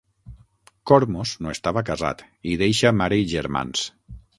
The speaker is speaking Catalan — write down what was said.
Kormos no estava casat i deixa mare i germans.